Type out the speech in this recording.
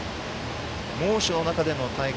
猛暑の中の大会。